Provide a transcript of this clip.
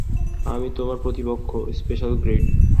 আমি তোমার প্রতিপক্ষ, স্পেশাল-গ্রেড।